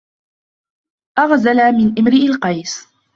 أغزل من امرئ القيس